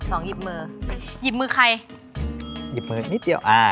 หยิบมือหยิบมือใครหยิบมือนิดเดียวอ่า